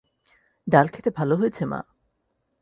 ডাল খেতে ভাল হয়েছে মা।